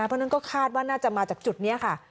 เพราะฉะนั้นก็คาดว่าน่าจะมาจากจุดนี้ค่ะ